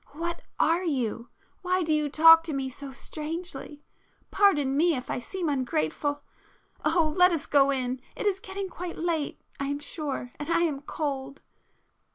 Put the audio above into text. What are you?—why do you talk to me so strangely? Pardon me if I seem ungrateful ..., oh, let us go in—it is getting quite late I am sure, and I am cold